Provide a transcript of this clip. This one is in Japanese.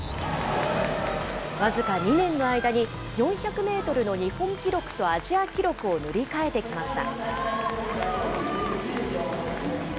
僅か２年の間に、４００メートルの日本記録とアジア記録を塗り替えてきました。